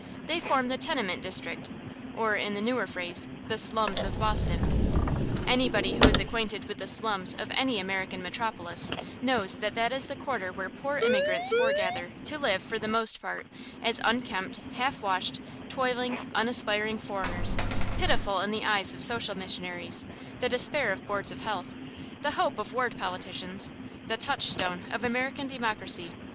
They form the tenement district, or, in the newer phrase, the slums of Boston. Anybody who is acquainted with the slums of any American metropolis knows that that is the quarter where poor immigrants foregather, to live, for the most part, as unkempt, half washed, toiling, unaspiring foreigners; pitiful in the eyes of social missionaries, the despair of boards of health, the hope of ward politicians, the touchstone of American democracy.